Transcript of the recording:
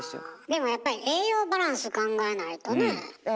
でもやっぱり栄養バランス考えないとねえ。